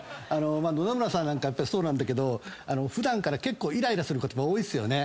野々村さんなんかそうだけど普段から結構イライラすることが多いですよね？